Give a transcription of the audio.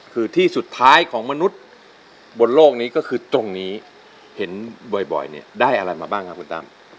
คือที่สุดท้ายของมนุษย์บนโลกนี้ก็คือตรงนี้เห็นบ่อยเนี่ยได้อะไรมาบ้างครับคุณตั้ม